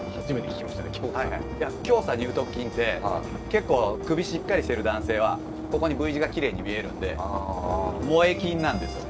胸鎖乳突筋って結構首しっかりしてる男性はここにＶ字がきれいに見えるんで萌え筋なんですよ。